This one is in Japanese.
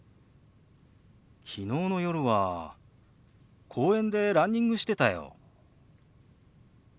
昨日の夜は公園でランニングしてたよ。